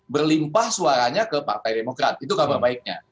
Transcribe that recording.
berlimpah suaranya ke partai demokrat itu kabar baiknya